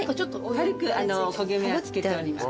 軽く焦げ目はつけてます。